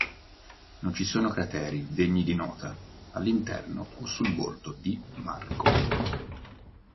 Non ci sono crateri degni di nota all'interno o sul bordo di Markov.